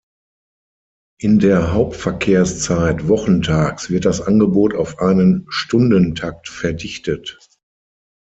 In der Hauptverkehrszeit wochentags wird das Angebot auf einen Stundentakt verdichtet.